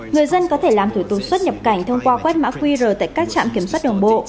người dân có thể làm thủ tục xuất nhập cảnh thông qua quét mã qr tại các trạm kiểm soát đường bộ